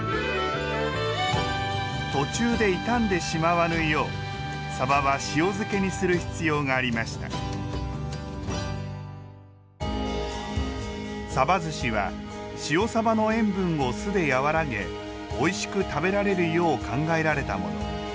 途中で傷んでしまわぬようさばは塩漬けにする必要がありましたさばずしは塩さばの塩分を酢で和らげおいしく食べられるよう考えられたもの。